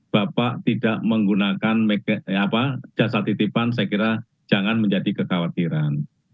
bapak tidak menggunakan jasa titipan saya kira jangan menjadi kekhawatiran